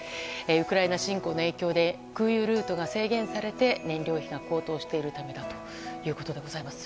ウクライナ侵攻の影響で空輸ルートが制限されて燃料費が高騰しているためだといいます。